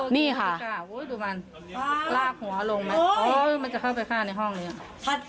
นี่ค่ะโอ้ยดูมันลากหัวลงมาโอ้ยมันจะเข้าไปฆ่าในห้องนี้อ่ะ